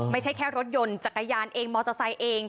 ไม่ใช่แค่รถยนต์จักรยานเองมอเตอร์ไซค์เอง